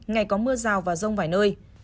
ngày có mưa rào và rông vài nơi